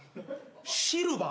シルバー？